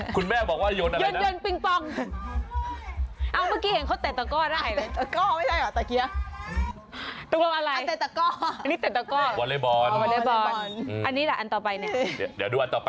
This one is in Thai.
อ่ะคุณแม่บอกว่าตะกอดิว่ามั้ยนะ